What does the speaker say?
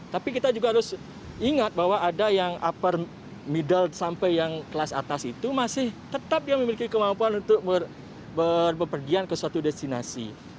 tapi kita juga harus ingat bahwa ada yang upper middle sampai yang kelas atas itu masih tetap dia memiliki kemampuan untuk berpergian ke suatu destinasi